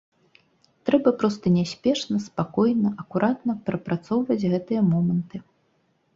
Трэба проста няспешна, спакойна, акуратна прапрацоўваць гэтыя моманты.